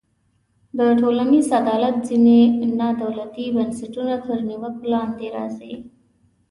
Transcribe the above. د ټولنیز عدالت ځینې نا دولتي بنسټونه تر نیوکو لاندې راځي.